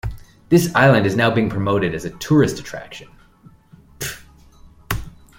This island is now being promoted as a tourist attraction.